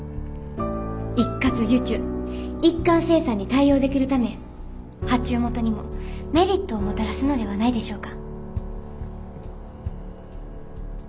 一括受注一貫生産に対応できるため発注元にもメリットをもたらすのではないでしょうか？